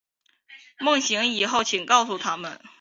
梦醒以后请告诉他们